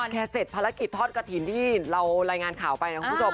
เสร็จภารกิจทอดกระถิ่นที่เรารายงานข่าวไปนะคุณผู้ชม